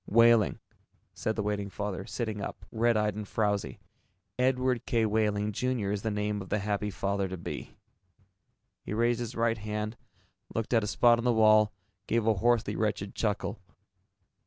"Wehling," said the waiting father, sitting up, red eyed and frowzy. "Edward K. Wehling, Jr., is the name of the happy father to be." He raised his right hand, looked at a spot on the wall, gave a hoarsely wretched chuckle.